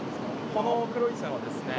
この黒い線はですね